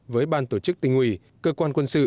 với ban tổ chức tỉnh ủy cơ quan quân sự